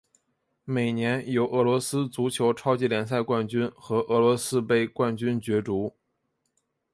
每年由俄罗斯足球超级联赛冠军和俄罗斯杯冠军角逐。